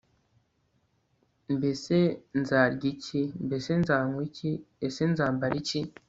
Mbese nzarya iki Mbese nzanywa iki Ese nzambara iki